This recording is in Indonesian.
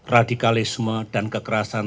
radikalisme dan kekerasan